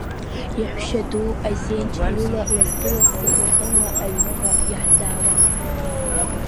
Иаҳәшьа ду Озенч лыла ласы-лассы уахынла аҩныҟа иаҳзаауан.